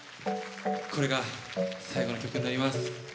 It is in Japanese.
これが最後の曲になります。